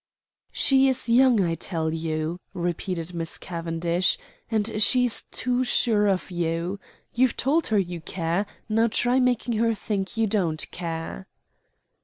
"She is young, I tell you," repeated Miss Cavendish, "and she's too sure of you. You've told her you care; now try making her think you don't care."